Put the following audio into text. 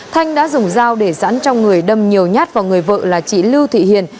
thanh đã dùng dao để dẫn trong người đâm nhiều nhát vào người vợ là chị lưu thị hiền